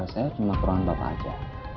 saya cuma ke ruangan bapak saja